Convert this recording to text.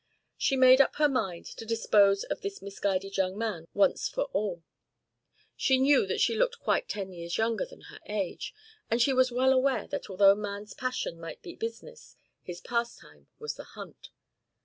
She made up her mind to dispose of this misguided young man once for all. She knew that she looked quite ten years younger than her age, and she was well aware that although man's passion might be business his pastime was the hunt.